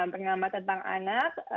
bernama tentang anak